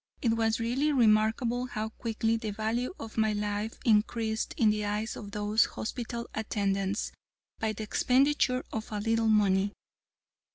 It was really remarkable how quickly the value of my life increased in the eyes of those hospital attendants, by the expenditure of a little money.